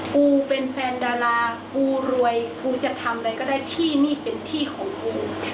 กูเป็นแฟนดารากูรวยกูจะทำอะไรก็ได้ที่นี่เป็นที่ของกู